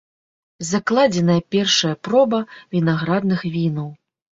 Закладзеная першая проба вінаградных вінаў.